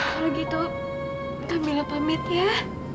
kalau begitu kamila pamit ya